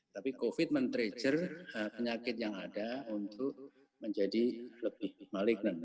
tapi covid men treature penyakit yang ada untuk menjadi lebih maliken